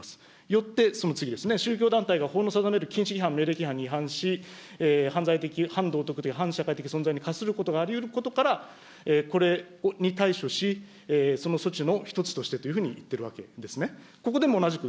よってその次ですね、宗教団体が法の定める禁止規範もしくは命令規範に違反し、犯罪的、反道徳的・反社会的に化することがありうることから、これに対処し、その措置の一つとしてというふうにいっているわけですね。